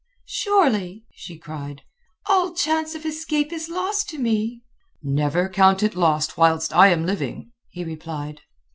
"Surely," she cried, "all chance of escape is lost to me." "Never count it lost whilst I am living," he replied.